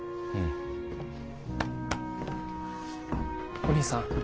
お義兄さん。